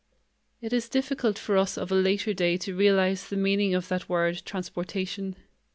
It is difficult for us of a later day to realize the meaning of that word, transportation.